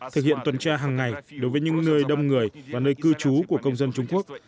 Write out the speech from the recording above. thực hiện tuần tra hàng ngày đối với những nơi đông người và nơi cư trú của công dân trung quốc